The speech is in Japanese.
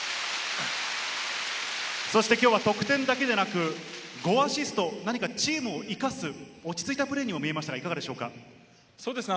きょうは得点だけでなく、５アシスト、何かチームを生かす落ち着いたプレーにも見えましたが、いかがでしょうか？